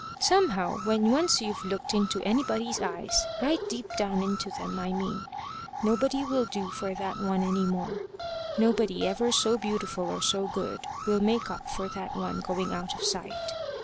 Somehow, when once you've looked into anybody's eyes, right deep down into them, I mean, nobody will do for that one any more. Nobody, ever so beautiful or so good, will make up for that one going out of sight.